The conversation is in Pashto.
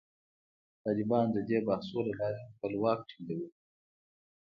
طالبان د دې بحثونو له لارې خپل واک ټینګوي.